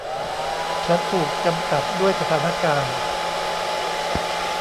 ฉันถูกจำกัดด้วยสถานการณ์